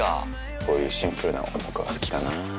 こういうシンプルなの僕は好きかなぁ。